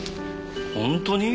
本当に？